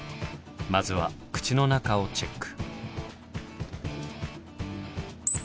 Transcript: まずは口の中をチェック。